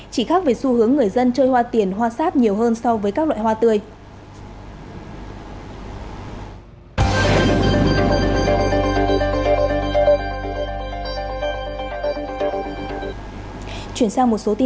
chỉ khác về xu hướng người dân chơi hoa tiền hoa sáp nhiều hơn so với các loại hoa tươi